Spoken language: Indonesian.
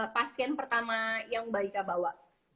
pasien pertama yang mbak ika bawa